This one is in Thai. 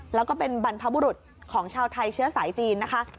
แล้วก็เป็นบรรพบุรุษของชาวไทยเชื้อสายจีนนะคะ